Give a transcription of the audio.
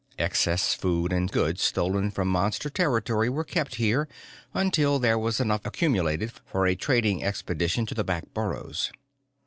Excess food and goods stolen from Monster territory were kept here until there was enough accumulated for a trading expedition to the back burrows.